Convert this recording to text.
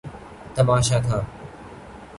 تماشا تھا۔